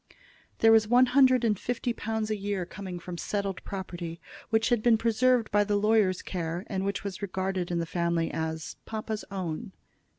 There was one hundred and fifty pounds a year coming from settled property, which had been preserved by the lawyer's care, and which was regarded in the family as "papa's own."